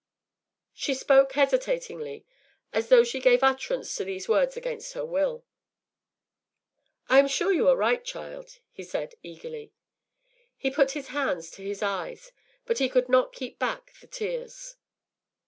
” She spoke hesitatingly, as though she gave utterance to these words against her will. “I am sure you are right, child,” he said, eagerly. He put his hands to his eyes, but he could not keep back the tears.